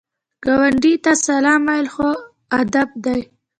ګاونډي ته سلام ویل ښو ادب دی